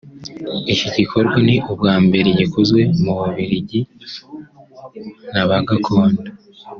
Iki gikorwa ni ubwa mbere gikozwe mu Bubiligi n’Abagakondo